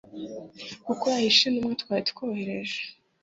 kuko yahishe intumwa twari twohereje